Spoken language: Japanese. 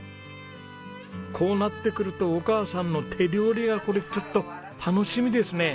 こうなってくるとお母さんの手料理がこれちょっと楽しみですね。